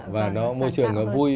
và môi trường nó vui